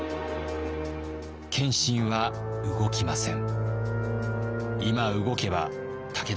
謙信は動きません。